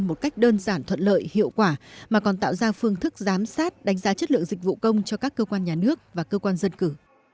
một cách đơn giản thuận lợi hiệu quả mà còn tạo ra phương thức giám sát đánh giá chất lượng dịch vụ công cho các cơ quan nhà nước và cơ quan dân cử